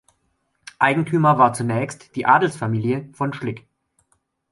Eigentümer war zunächst die Adelsfamilie von Schlick.